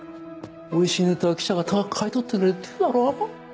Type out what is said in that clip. おいしいネタは記者が高く買い取ってくれるっていうだろ。